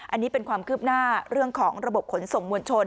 อันนี้เป็นความคืบหน้าเรื่องของระบบขนส่งมวลชน